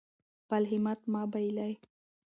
خپل همت مه بایلئ.